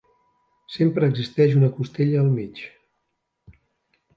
Sempre existeix una costella al mig.